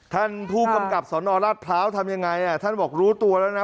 ท่านผู้กำกับสนราชพร้าวทำยังไงท่านบอกรู้ตัวแล้วนะ